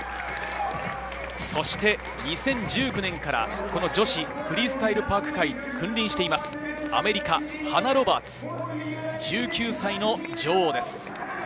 そして２０１９年から、この女子フリースタイル・パーク界に君臨しています、アメリカ、ハナ・ロバーツ、１９歳の女王です。